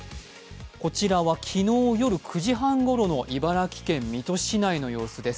こちらは昨日夜９時半ごろの茨城県水戸市内の映像です。